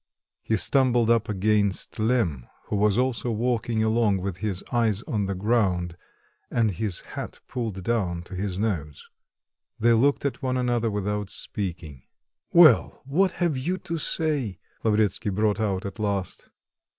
He stumbled up against Lemm, who was also walking along with his eyes on the ground, and his hat pulled down to his nose. They looked at one another without speaking. "Well, what have you to say?" Lavretsky brought out at last.